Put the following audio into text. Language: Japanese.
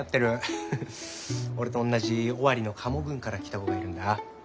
俺とおんなじ尾張の加茂郡から来た子がいるんだ。